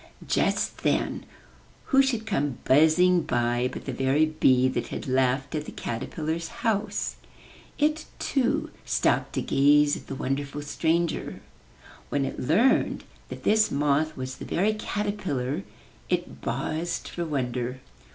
Just then who should come buzzing by but the very bee that had laughed at the caterpillar's house. It, too, stopped to gaze at the wonderful stranger. When it learned that this moth was that very cater pillar it buzzed for wonder.